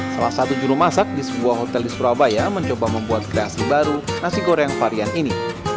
salah satu juru masak di sebuah hotel di surabaya mencoba membuat kreasi baru nasi goreng varian ini